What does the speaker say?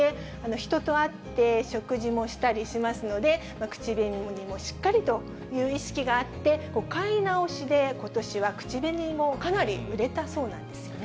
人と会って食事もしたりしますので、口紅もしっかりとという意識があって、買い直しでことしも口紅もかなり売れたそうなんですよね。